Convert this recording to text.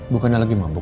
bukannya lagi mabuk